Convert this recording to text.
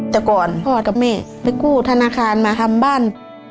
แต่ก่อนพ่อกับแม่ไปกู้ธนาคารมาทำบ้าน